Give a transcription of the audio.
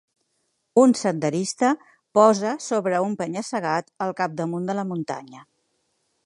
Un senderista posa sobre un penya-segat al capdamunt de la muntanya.